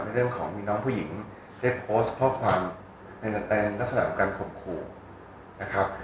เรื่องของมีน้องผู้หญิงได้โพสต์ข้อความในลักษณะของการข่มขู่นะครับ